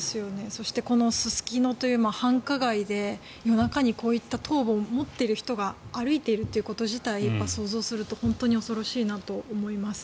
そして、このすすきのという繁華街で夜中にこういった頭部を持っている人が歩いているということ自体想像すると本当に恐ろしいなと思います。